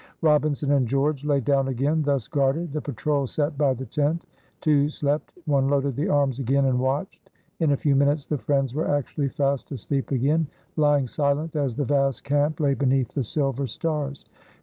Robinson and George lay down again thus guarded. The patrol sat by the tent. Two slept, one loaded the arms again and watched. In a few minutes the friends were actually fast asleep again, lying silent as the vast camp lay beneath the silver stars.